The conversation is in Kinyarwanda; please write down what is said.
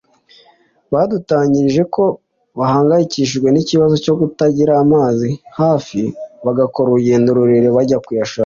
badutangarije ko bahangayikishijwe n’ikibazo cyo kutagira amazi hafi bagakora urugendo rurerure bajya kuyashaka